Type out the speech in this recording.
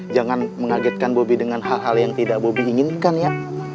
jangan mengagetkan bobby dengan hal hal yang tidak bobi inginkan ya